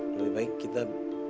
lebih baik kita